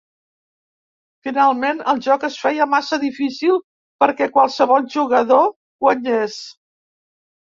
Finalment, el joc es feia massa difícil perquè qualsevol jugador guanyés.